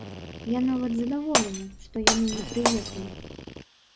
Я нават задаволены, што яны не прыехалі.